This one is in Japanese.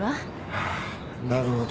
ああなるほど。